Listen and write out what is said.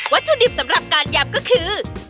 ถุดิบสำหรับการยำก็คือ